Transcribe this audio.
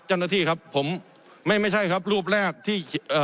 เจ้าหน้าที่ครับผมไม่ไม่ใช่ครับรูปแรกที่เอ่อ